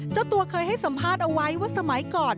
เจ้าตัวเคยให้สัมภาษณ์เอาไว้ว่าสมัยก่อน